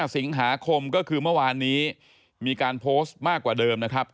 สิงหาคมก็คือเมื่อวานนี้มีการโพสต์มากกว่าเดิมนะครับ